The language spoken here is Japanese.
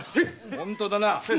本当だな。